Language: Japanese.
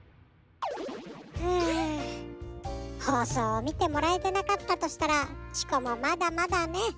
ほうそうをみてもらえてなかったとしたらチコもまだまだね。